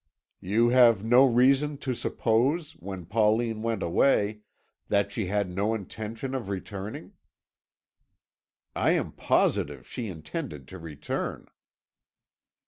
"You have no reason to suppose, when Pauline went away, that she had no intention of returning?" "I am positive she intended to return."